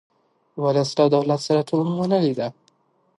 ولس له دولت سره تړون ونه لیده.